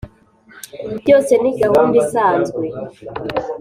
byose ni gahunda isanzwe